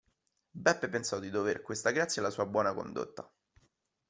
Beppe pensò di dover questa grazia alla sua buona condotta.